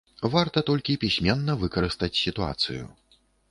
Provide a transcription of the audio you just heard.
Варта толькі пісьменна выкарыстаць сітуацыю.